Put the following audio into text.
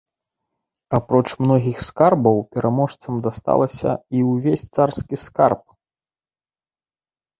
Апроч многіх скарбаў пераможцам дасталася і ўвесь царскі скарб.